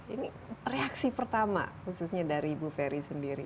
ini reaksi pertama khususnya dari bu ferry sendiri